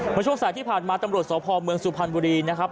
เมื่อช่วงสายที่ผ่านมาตำรวจสพเมืองสุพรรณบุรีนะครับ